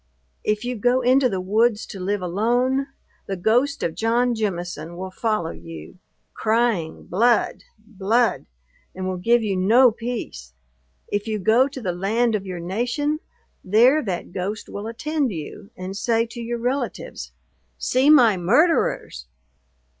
If you go into the woods to live alone, the ghost of John Jemison will follow you, crying, blood! blood! and will give you no peace! If you go to the land of your nation, there that ghost will attend you, and say to your relatives, see my murderers!